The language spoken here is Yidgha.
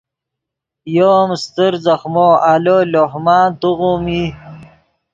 یو ام استر ځخمو آلو لوہ مان توغیم ای